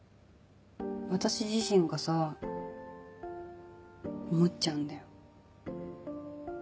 私自身がさ思っちゃうんだよ